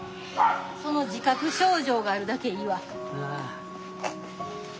その自覚症状があるだけいいわ。